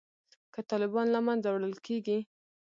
که طالبان له منځه وړل کیږي